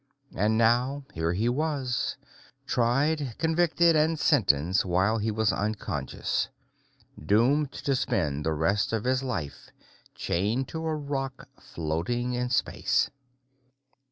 And now here he was tried, convicted, and sentenced while he was unconscious doomed to spend the rest of his life chained to a rock floating in space.